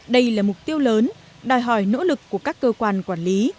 đây là mục tiêu lớn đòi hỏi nỗ lực của các cơ quan quản lý